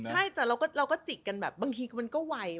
ใช่แต่เราก็จิกกันแบบบางทีมันก็ไว